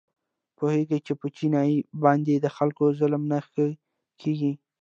پوهېږي چې په چیني باندې د خلکو ظلم نه ښه کېږي.